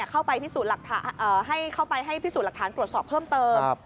เข้าไปให้พิสูจน์หลักฐานตรวจสอบเพิ่มเติม